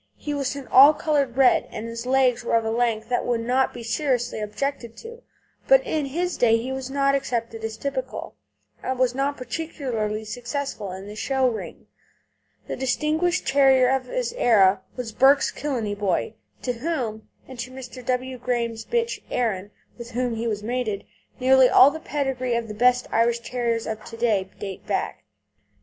He was an all coloured red, and his legs were of a length that would not now be seriously objected to. But in his day he was not accepted as typical, and he was not particularly successful in the show ring. The distinguished terrier of his era was Burke's Killeney Boy, to whom, and to Mr. W. Graham's bitch Erin, with whom he was mated, nearly all the pedigrees of the best Irish Terriers of to day date back.